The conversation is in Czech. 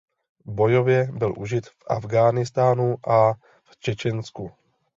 Bojově byl užit v Afghánistánu a v Čečensku.